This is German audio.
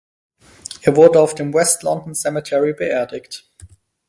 Er wurde auf dem West London Cemetery beerdigt.